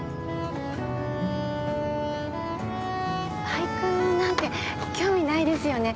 俳句なんて興味ないですよね。